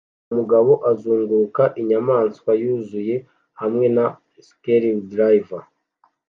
Umugabo azunguruka inyamaswa yuzuye hamwe na screwdriver